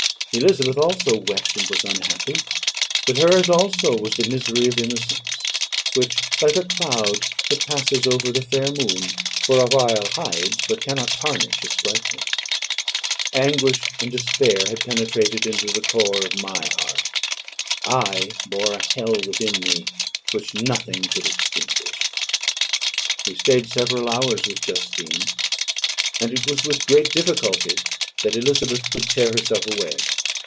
Elizabeth also wept, and was unhappy; but her's also was the misery of innocence, which, like a cloud that passes over the fair moon, for a while hides but cannot tarnish its brightness. Anguish and despair had penetrated into the core of my heart; I bore a hell within me, which nothing could extinguish. We stayed several hours with Justine; and it was with great difficulty that Elizabeth could tear herself away.